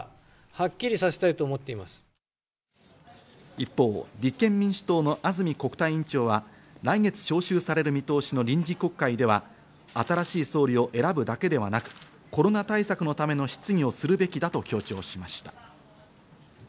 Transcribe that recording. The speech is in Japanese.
一方、立憲民主党の安住国対委員長は来月招集される見通しの臨時国会では、新しい総理を選ぶだけではなくコロナ対策のための質疑をするべきだと強調しました。